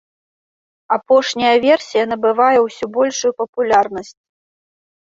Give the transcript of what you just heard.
Апошняя версія набывае ўсё большую папулярнасць.